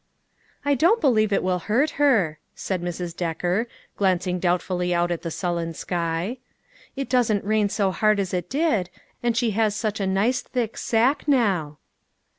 " I don't believe it will hurt her !" said Mrs. Decker, glancing doubtfully out at the sullen sky. "It doesn't rain so hard as it did, and she has such a nice thick sack now."